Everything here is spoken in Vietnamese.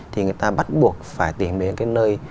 thì người ta bắt buộc phải tìm đến cái nơi